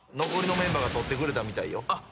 残りのメンバーが撮ってくれたみたいよ。